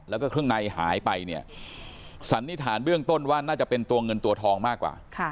แล้วก็เครื่องในหายไปเนี่ยสันนิษฐานเบื้องต้นว่าน่าจะเป็นตัวเงินตัวทองมากกว่า